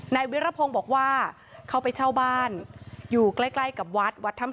นายวิรพงศ์บอกว่าเข้าไปเช่าบ้านอยู่ใกล้กับวัทย์